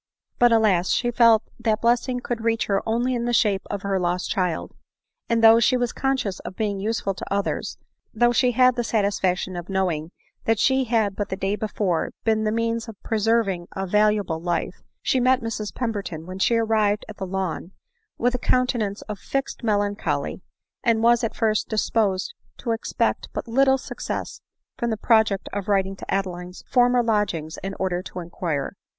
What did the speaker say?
But, alas ! she felt that blessing could reach her only in the shape of her lost child ; and, though she was con scious of being useful to others, though she had the sat isfaction of knowing that she had but the day before been the means of preserving a valuable life, she met Mrs Pem berton, when she arrived at the Lawn, with a counte nance of fixed melancholy, and was at first disposed to expect but little success from the project of writing to Adeline's former lodgings in order to inquire.